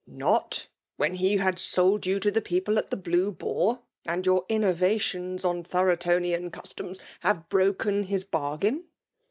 *'*' Not when he had sold yo\l to the people at the Blue Boar« and your innovations on The jfcoionian customs have broken his bargain?